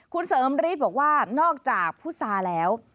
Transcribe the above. คุณเสริมฤทธิ์บอกว่านอกจากพุษาแล้ว